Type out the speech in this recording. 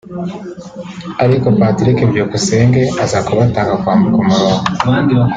ariko Patrick Byukusenge aza kubatanga kwambuka umurongo